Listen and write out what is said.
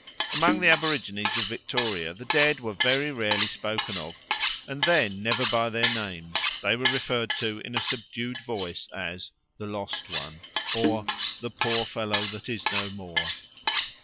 Among the aborigines of Victoria the dead were very rarely spoken of, and then never by their names; they were referred to in a subdued voice as "the lost one" or "the poor fellow that is no more."